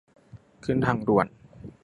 ขึ้นทางด่วน